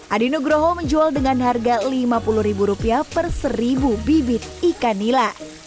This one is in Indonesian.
adi nugroho menjual dengan harga rp lima puluh ribu rupiah per seribu bibit ikan nila